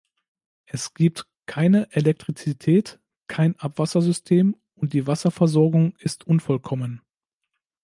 Es gibt keine Elektrizität, kein Abwassersystem, und die Wasserversorgung ist unvollkommen.